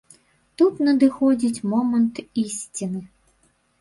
Тут надыходзіць момант ісціны.